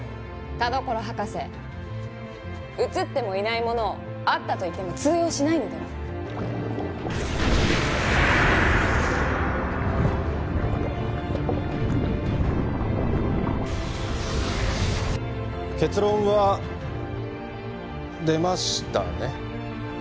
田所博士写ってもいないものをあったといっても通用しないのでは結論は出ましたね